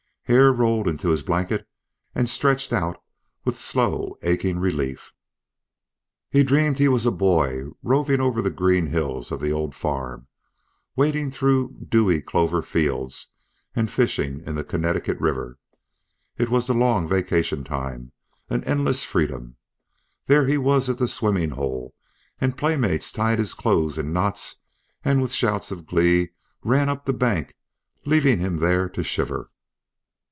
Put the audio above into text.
Hare rolled into his blanket and stretched out with slow aching relief. He dreamed he was a boy roaming over the green hills of the old farm, wading through dewy clover fields, and fishing in the Connecticut River. It was the long vacationtime, an endless freedom. Then he was at the swimming hole, and playmates tied his clothes in knots, and with shouts of glee ran up the bank leaving him there to shiver.